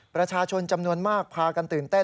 ประชาชนจำนวนมากพากันตื่นเต้น